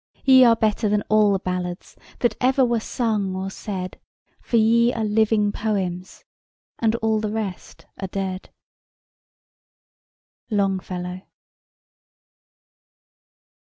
"Ye are better than all the ballads That ever were sung or said; For ye are living poems, And all the rest are dead." LONGFELLOW.